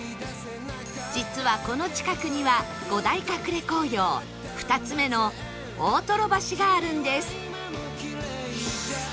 実はこの近くには５大隠れ紅葉２つ目の大瀞橋があるんです